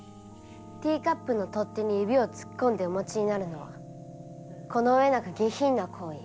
ティーカップの取っ手に指を突っ込んでお持ちになるのはこの上なく、下品な行為。